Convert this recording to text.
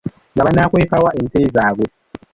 Nga banaakweka wa ente zaabwe?